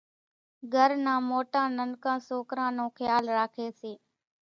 گھر نان موٽان ننڪان سوڪران نو کيال راکي سي